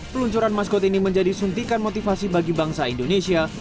peluncuran maskot ini menjadi suntikan motivasi bagi bangsa indonesia